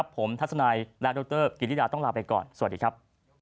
ผมทัศนัยและดรกิริดาต้องลาไปก่อนสวัสดีครับ